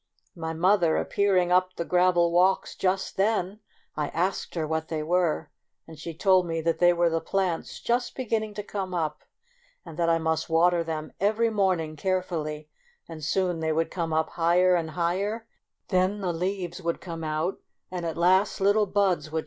My mother appearing up the gravel walks just then, I asked her what they were, and she told me that they were the plants just beginning to come up, and that I must water them every morning carefully, and soon they would come up higher and higher ; then the leaves would come out, and at last little buds would COUNTRY DOLL.